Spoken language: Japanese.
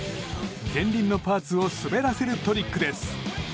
前輪のパーツを滑らせるトリックです。